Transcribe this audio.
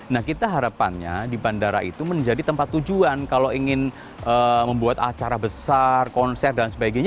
nah kita harapannya di bandara itu menjadi tempat tujuan kalau ingin membuat acara besar konser dan sebagainya